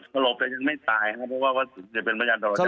สลบแต่ยังไม่ตายครับเพราะว่า